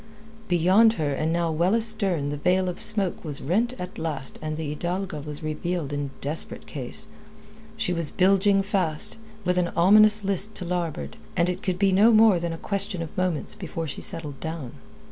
Beyond her and now well astern the veil of smoke was rent at last and the Hidalga was revealed in desperate case. She was bilging fast, with an ominous list to larboard, and it could be no more than a question of moments before she settled down.